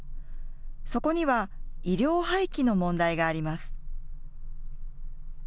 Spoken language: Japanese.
そこには衣料廃棄の問題があります。